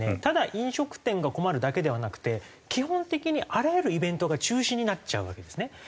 ただ飲食店が困るだけではなくて基本的にあらゆるイベントが中止になっちゃうわけですね。